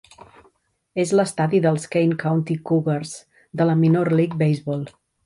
És l'estadi dels Kane County Cougars de la Minor League Baseball.